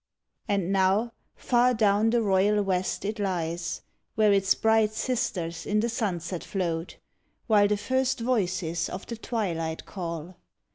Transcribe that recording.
And now far down the royal West it lies, Where its bright sisters in the sunset float, While the first voices of the twilight call.